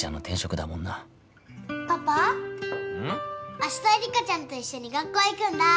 明日恵里佳ちゃんと一緒に学校行くんだ。